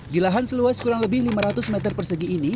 di lahan seluas kurang lebih lima ratus meter persegi ini